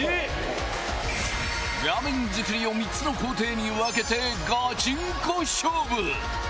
ラーメン作りを３つの工程に分けてガチンコ勝負！